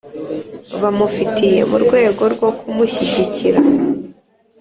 bamufite mu rwego rwo kumushyigikira